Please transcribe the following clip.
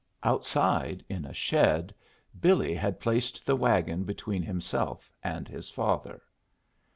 Outside, in a shed, Billy had placed the wagon between himself and his father.